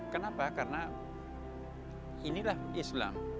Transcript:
kenapa karena inilah islam